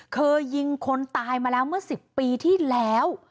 เคยยิงคนตายมาแล้วเมื่อ๑๐ปีที่แล้ว